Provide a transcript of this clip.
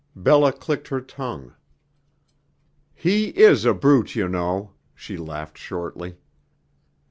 Bella clicked her tongue. "He is a brute, you know!" She laughed shortly.